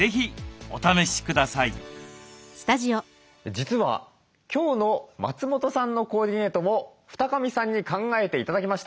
実は今日の松本さんのコーディネートも二神さんに考えて頂きました。